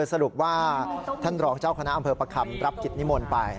สรุปว่าท่านรองเจ้าคณะอำเภอประคำรับกิจนิมนต์ไป